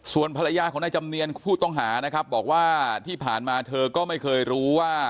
ส่วนภรรยาของนายจำเนียนผู้ต้องหานะครับบอกว่าที่ผ่านมาเธอก็ไม่เคยรู้ว่า